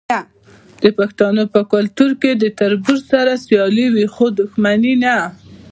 د پښتنو په کلتور کې د تربور سره سیالي وي خو دښمني نه.